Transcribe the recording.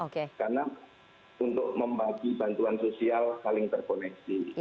karena untuk membagi bantuan sosial saling terkoneksi